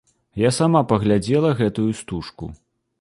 Я сама паглядзела гэтую стужку.